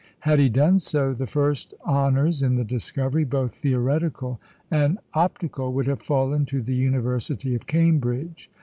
" Had he done so, the first honours in the discovery, both theoretical and optical, would have fallen to the University of Cambridge.